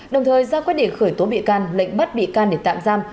đồng thời ra quyết định khởi tố bị can lệnh bắt bị can để tạm giam